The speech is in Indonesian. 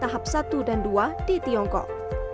tahap satu dan dua di tiongkok